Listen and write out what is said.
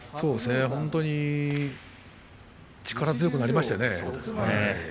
本当に力強くなりましたね。